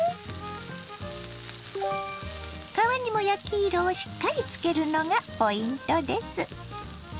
皮にも焼き色をしっかりつけるのがポイントです。